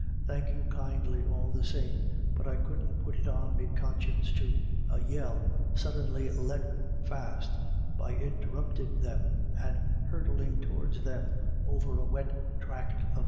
u Thank you kindly all the same, but I couldn't put it on me conscience to " A yell suddenly " let " fast by interrupted them, and hurtling towards them over a wet tract of 19 274 IRISH IDYLLS.